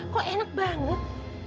kok enak banget